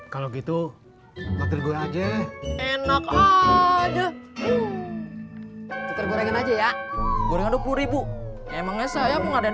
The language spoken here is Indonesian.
kalau gitu waktu gue aja enak aja ngomong ngomong aja ya gue ada rp dua puluh emangnya saya mengadain